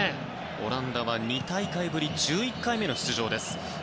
オランダは２大会ぶり１１回目の出場です。